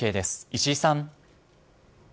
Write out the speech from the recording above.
石井さん。